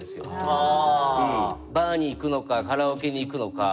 バーに行くのかカラオケに行くのか。